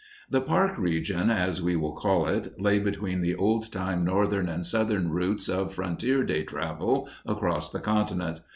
The Park region, as we will call it, lay between the old time northern and southern routes of frontier day travel across the continent.